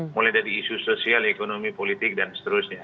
mulai dari isu sosial ekonomi politik dan seterusnya